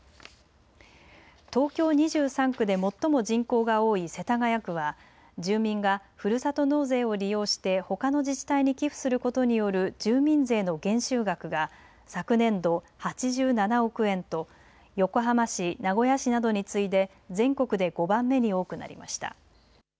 東京２３区で最も人口が多い世田谷区は住民がふるさと納税を利用してほかの自治体に寄付することによる住民税の減収額が昨年度、８７億円と横浜市、名古屋市などに次いで全国で５番目に多くなりました。